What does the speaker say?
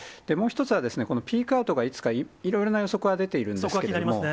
もう一つはですね、このピークアウトがいつか、いろいろな予測は出ているんですけれども。